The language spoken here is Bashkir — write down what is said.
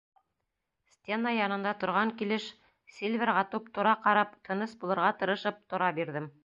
Стена янында торған килеш Сильверға туп-тура ҡарап, тыныс булырға тырышып, тора бирҙем.